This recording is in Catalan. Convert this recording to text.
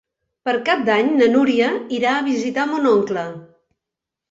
Per Cap d'Any na Núria irà a visitar mon oncle.